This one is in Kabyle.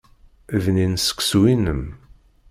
Bnin seksu-inem.